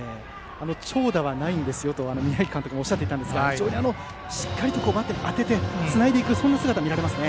長打はないんですよと宮秋監督もおっしゃっていたんですが非常にバットに当ててつないでいく姿が見られますね。